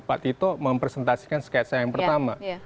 pak tito mempresentasikan sketsa yang pertama